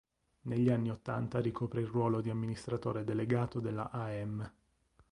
Negli anni ottanta ricopre il ruolo di amministratore delegato della Aem.